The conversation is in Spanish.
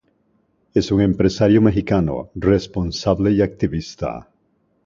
Es un empresario mexicano, responsable y activista.